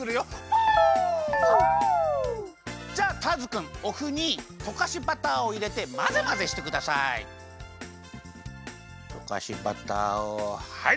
フォ！じゃあターズくんおふにとかしバターをいれてまぜまぜしてください。とかしバターをはいりました！